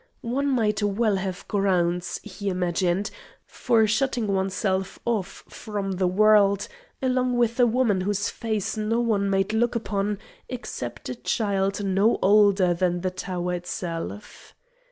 One might well have grounds, he imagined, for shutting oneself off from the world along with a woman whose face no one might look upon except a child no older than the tower itself.